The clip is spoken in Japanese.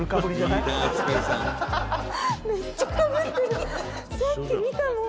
「めっちゃかぶってる。